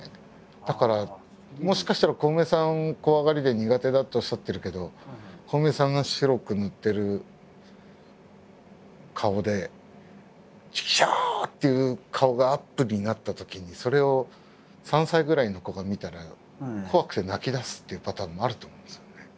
だからもしかしたらコウメさん怖がりで苦手だとおっしゃってるけどコウメさんが白く塗ってる顔で「チクショー！！」っていう顔がアップになったときにそれを３歳ぐらいの子が見たら怖くて泣きだすっていうパターンもあると思うんですよね。